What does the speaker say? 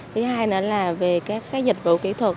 thứ hai nữa là về các dịch vụ kỹ thuật